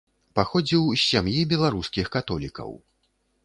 Паходзіў з сям'і беларускіх католікаў.